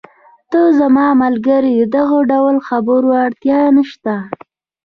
ته زما ملګری یې، د دغه ډول خبرو اړتیا نشته.